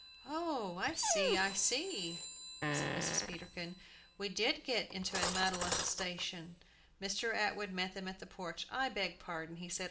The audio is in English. "Oh, I see, I see!" said Mrs. Peterkin; "and we did get into a muddle at the station!" Mr. Atwood met them at the porch. "I beg pardon," he said.